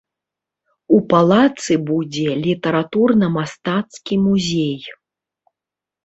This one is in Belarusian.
У палацы будзе літаратурна-мастацкі музей.